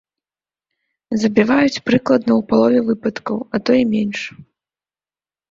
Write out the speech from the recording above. Забіваюць прыкладна ў палове выпадкаў, а то і менш.